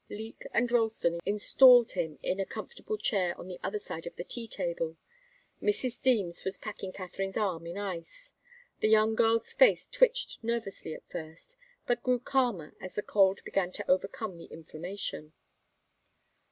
Leek and Ralston installed him in a comfortable chair on the other side of the tea table. Mrs. Deems was packing Katharine's arm in ice. The young girl's face twitched nervously at first, but grew calmer as the cold began to overcome the inflammation.